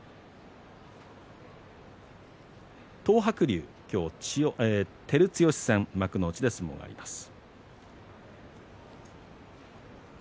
東白龍は今日照強戦、幕内で相撲を取ります。